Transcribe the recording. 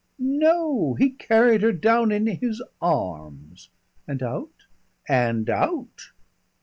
"No! He carried her down in his arms." "And out?" "And out!"